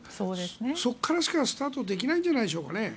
そこからしかスタートできないんじゃないですかね。